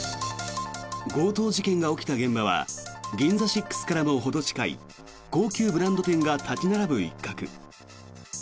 強盗事件が起きた現場はＧＩＮＺＡＳＩＸからもほど近い高級ブランド店が立ち並ぶ一角。